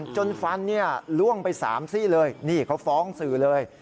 จนฟันล่วงไป๓ซี่เลยนี่เขาฟ้องสื่อเลย